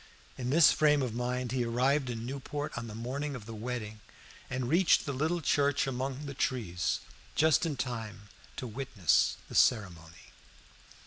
In this frame of mind he arrived in Newport on the morning of the wedding, and reached the little church among the trees just in time to witness the ceremony.